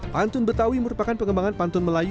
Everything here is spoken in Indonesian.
pantun betawi merupakan pengembangan pantun melayu